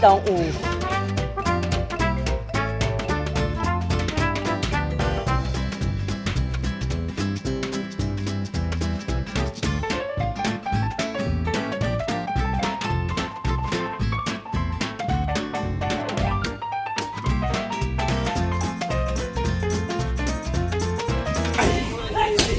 คุณพ่อมีลูกทั้งหมด๑๐ปี